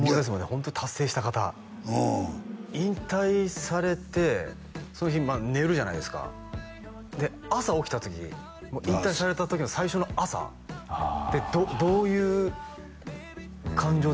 ホントに達成した方引退されてその日まあ寝るじゃないですかで朝起きた時もう引退された時の最初の朝ってどういう感情でしたか？